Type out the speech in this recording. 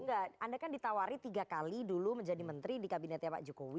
enggak anda kan ditawari tiga kali dulu menjadi menteri di kabinetnya pak jokowi